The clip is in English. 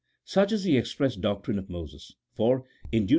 Such is the express doctrine of Moses, for (in Deut.